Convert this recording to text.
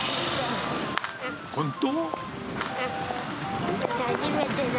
本当？